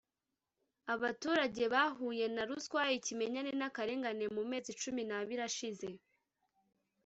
Abaturage bahuye na ruswa ikimenyane n akarengane mu mezi cumi n abiri ashize